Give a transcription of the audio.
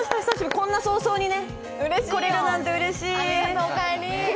こんな早々にこれるなんてうれしい！